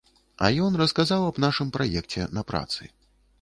А ён расказаў аб нашым праекце на працы.